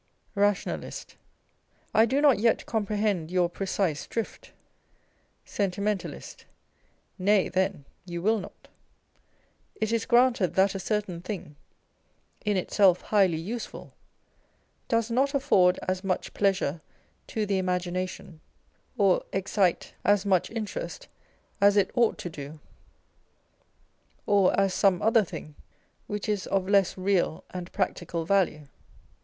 Rationalist. I do not yet comprehend your precise drift. Sentimentalist. Nay, then, you will not. It is granted that a certain thing, in itself highly useful, docs not afford as much pleasure to the imagination, or excite as much interest as it ought to do, or as some other thing which is of less real and practical value.